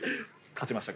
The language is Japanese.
勝ちました？